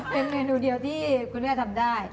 เป็นเมนูเดียวที่คุณแม่ทำได้